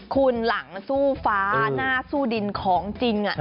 คุณหลังสู้ฟ้าหน้าสู้ดินของจริง